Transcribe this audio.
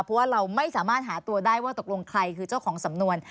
เพราะว่าเราไม่สามารถหาตัวได้ว่าตกลงใครคือเจ้าของสำนวน